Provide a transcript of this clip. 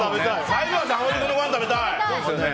最後は坂本君のごはん食べたい！